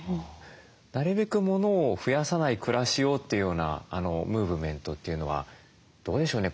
なるべく物を増やさない暮らしをというようなムーブメントというのはどうでしょうね